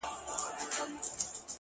له دې نه مخكي چي ته ما پرېږدې!!